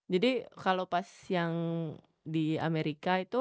jadi kalo pas yang di amerika itu